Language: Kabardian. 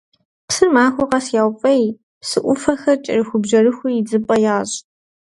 Псыр махуэ къэс яуфӀей, псы Ӏуфэхэр кӀэрыхубжьэрыху идзыпӀэ ящӀ.